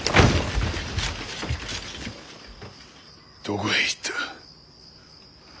どこへ行った。